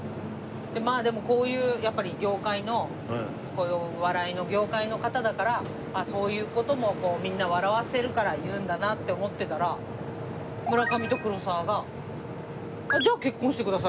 まあでもこういうやっぱり業界のこういうお笑いの業界の方だからそういう事もみんな笑わせるから言うんだなって思ってたら村上と黒沢が「じゃあ結婚してください。